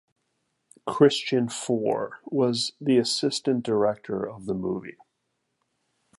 Christian Faure was the assistant director of the movie.